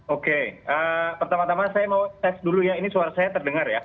oke pertama tama saya mau tes dulu ya ini suara saya terdengar ya